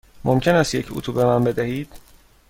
ممکن است یک اتو به من بدهید؟